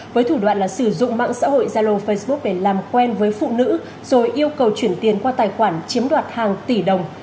với thủ đoạn là sử dụng mạng xã hội zalo facebook để làm quen với phụ nữ rồi yêu cầu chuyển tiền qua tài khoản chiếm đoạt hàng tỷ đồng